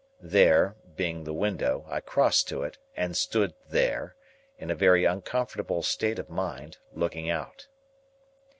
"There", being the window, I crossed to it, and stood "there," in a very uncomfortable state of mind, looking out.